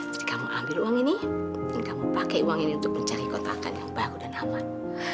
jadi kamu ambil uang ini dan kamu pakai uang ini untuk mencari kontrakan yang baru dan aman